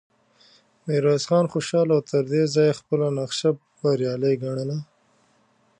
ميرويس خان خوشاله و، تر دې ځايه يې خپله نخشه بريالی ګڼله،